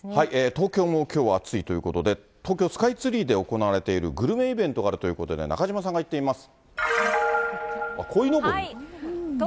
東京もきょうは暑いということで、東京スカイツリーで行われているグルメイベントがあるということで、中島さんが行っています。